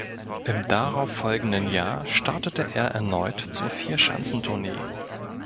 Im darauf folgenden Jahr startete er erneut zur Vierschanzentournee.